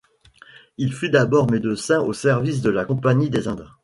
Il fut d'abord médecin au service de la Compagnie des Indes.